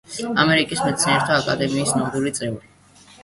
ამერიკის მეცნიერებათა აკადემიის ნამდვილი წევრი.